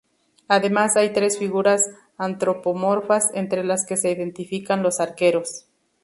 Además hay tres figuras antropomorfas, entre las que se identifican dos arqueros.